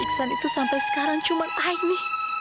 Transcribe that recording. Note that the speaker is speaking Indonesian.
mas iksan itu sampai sekarang cuma aimi